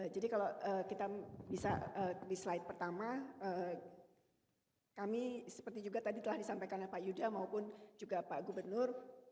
jadi kalau kita bisa di slide pertama kami seperti juga tadi telah disampaikan pak yuda maupun juga pak gubernur